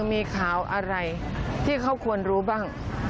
มีข่าวอะไรที่เขาควรรู้บ้าง